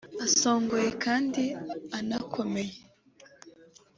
asongoye kandi anakomeye